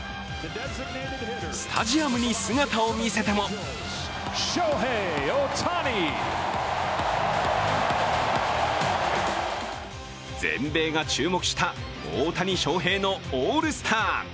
スタジアムに姿を見せても全米が注目した大谷翔平のオールスター。